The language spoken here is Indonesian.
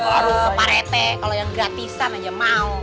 ya keparete kalau yang gratisan aja mau